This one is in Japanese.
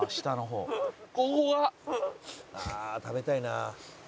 「ああ食べたいな」